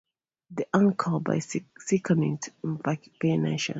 They uncurl by circinate vernation.